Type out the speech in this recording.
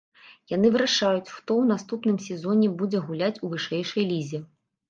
Яны вырашаюць, хто ў наступным сезоне будзе гуляць у вышэйшай лізе.